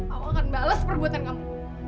aku akan bales perbuatan kamu